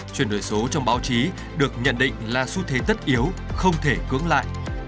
chuyển đổi số trong báo chí được nhận định là xu thế tất yếu không thể cưỡng lại